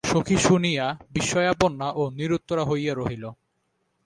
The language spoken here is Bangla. সখী শুনিয়া বিস্ময়াপন্না ও নিরুত্তরা হইয়া রহিল।